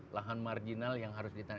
lahan marginal yang harus ditanam